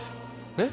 えっ？